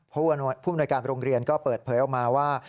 ผู้อำนวยการโรงเรียนก็เปิดเผยออกมาว่า